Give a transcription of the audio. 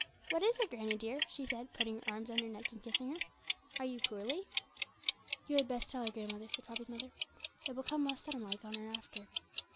'What is it, granny, dear?' she said, putting her arms round her neck, and kissing her; 'are you poorly?' 'You had best tell her, grandmother,' said Poppy's mother; 'it will come less sudden like on her after.'